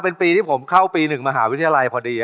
เป็นปีที่ผมเข้าปี๑มหาวิทยาลัยพอดี